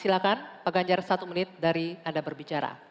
silahkan pak ganjar satu menit dari anda berbicara